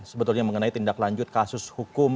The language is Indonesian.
sebetulnya mengenai tindak lanjut kasus hukum